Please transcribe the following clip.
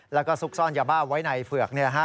แล้วก็ซุกซ่อนยาบ้าไว้ในเฝือก